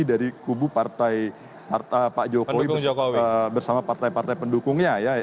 dari kubu pak jokowi bersama partai partai pendukungnya